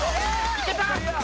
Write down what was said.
いけた！